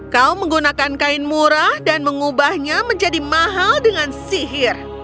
kau menggunakan kain murah dan mengubahnya menjadi mahal dengan sihir